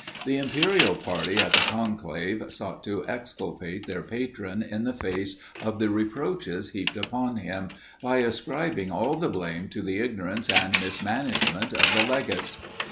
The imperial party in the conclave sought to exculpate their patron in the face of the reproaches heaped upon him, by ascribing all the blame to the ignorance and mismanagement of the legates.